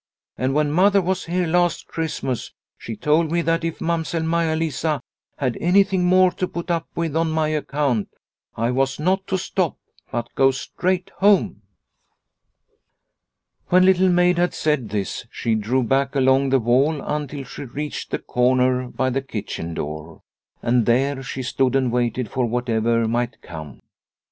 And when mother was here last Christmas she told me that if Mamsell Maia Lisa had anything more to put up with on my account, I was not to stop, but go straight home." When Little Maid had said this she drew back along the wall until she reached the corner by the kitchen door, and there she stood and waited for whatever might come.